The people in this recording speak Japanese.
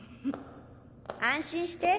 安心して。